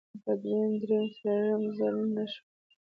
په دویم او دریم ځل چې نشوه.